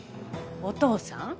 お父さん